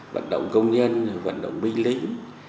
vận động công nhân vận động binh lính